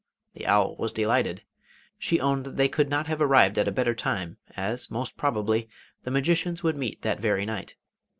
The owl was delighted. She owned that they could not have arrived at a better time, as most probably the magicians would meet that very night.